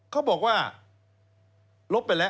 เขาบอกว่าลบไปแล้ว